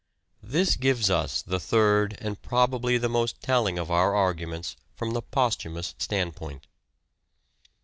This gives us the third and probably the most telling of our arguments from the posthumous standpoint.